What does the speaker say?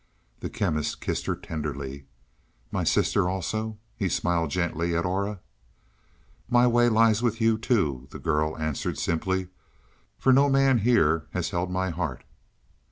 The Chemist kissed her tenderly. "My sister also?" he smiled gently at Aura. "My way lies with you, too," the girl answered simply. "For no man here has held my heart."